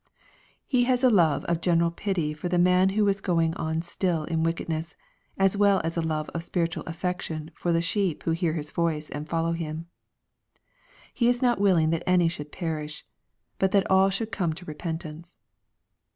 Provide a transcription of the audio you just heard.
He has a love of general pity for the man who is going on still in wickedness, as well as a love of special affection for the sheep who hear His voice and follow Him. He is not willing that any should perish, but that all should come to repentance.